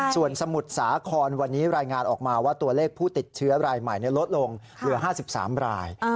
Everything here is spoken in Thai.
ส่วนสมุทรสาครวันนี้รายงานออกมาว่าตัวเลขผู้ติดเชื้อรายใหม่ลดลงเหลือ๕๓ราย